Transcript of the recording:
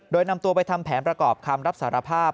โดยนำตัวไปทำแผนประกอบคำรับสารภาพ